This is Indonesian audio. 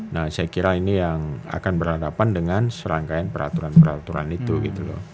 nah saya kira ini yang akan berhadapan dengan serangkaian peraturan peraturan itu gitu loh